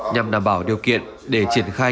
nhằm đảm bảo điều kiện để triển khai